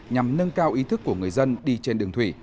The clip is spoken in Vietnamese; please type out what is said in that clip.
nhằm nâng cao ý thức của người dân đi trên đường thủy